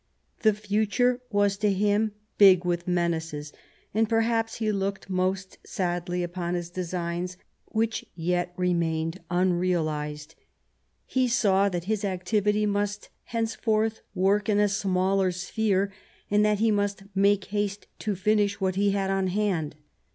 The future was to him big with menaces, and perhaps he looked most sadly upon his designs which yet remained unrealised. He saw that his activity must henceforth work in a smaller sphere, and that he must make haste to finish what he had on hand.